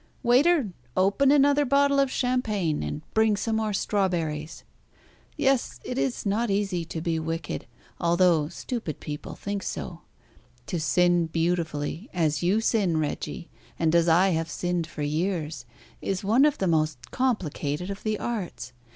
Waiter, open another bottle of champagne, and bring some more strawberries. Yes, it is not easy to be wicked, although stupid people think so. To sin beautifully, as you sin, Reggie, and as I have sinned for years, is one of the most complicated of the arts.